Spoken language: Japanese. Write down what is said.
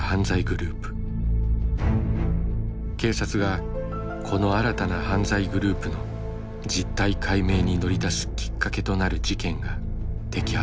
警察がこの新たな犯罪グループの実態解明に乗り出すきっかけとなる事件が摘発された。